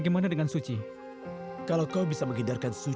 mas selalu di sisi kamu